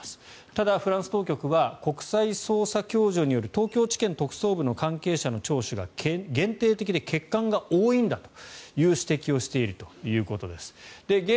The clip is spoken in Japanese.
ただ、フランス当局は国際捜査共助による東京地検特捜部の関係者聴取が限定的で欠陥が多いんだという指摘をしているということです。